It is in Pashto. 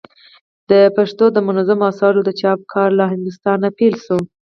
د پښتو دمنظومو آثارو د چاپ کار له هندوستانه پيل سو.